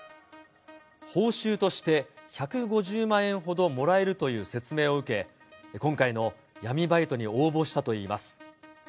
報酬として１５０万円ほどもらえるという説明を受け、今回の闇バイトに応募したといいます。